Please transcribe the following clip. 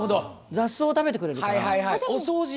雑草を食べてくれるから。